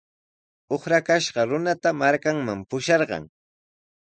Uqrakashqa runata markanman pusharqan.